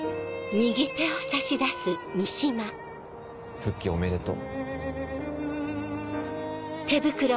復帰おめでとう。